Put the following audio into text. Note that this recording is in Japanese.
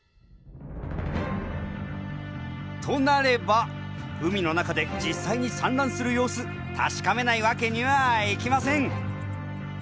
となれば海の中で実際に産卵する様子確かめないわけにはいきません！